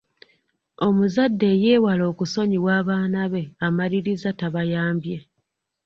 Omuzadde eyeewala okusonyiwa abaana be amaliriza tabayambye.